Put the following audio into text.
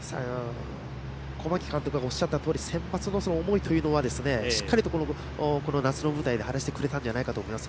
小牧監督がおっしゃったとおりセンバツの思いというのはしっかりとこの夏の舞台で晴らしてくれたんじゃないかと思います。